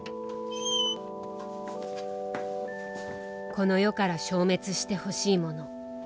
この世から消滅してほしいもの。